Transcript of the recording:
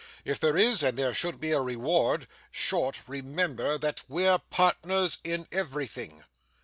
If there is, and there should be a reward, Short, remember that we're partners in everything!